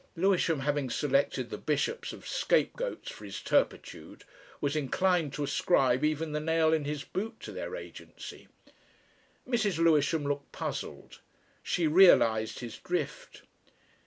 Lewisham having selected the bishops as scapegoats for his turpitude, was inclined to ascribe even the nail in his boot to their agency. Mrs. Lewisham looked puzzled. She realised his drift.